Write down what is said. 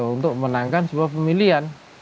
untuk menangkan sebuah pemilihan